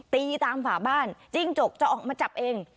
ตีตามฝาบ้านจิ้งจกจะออกมาจับเอง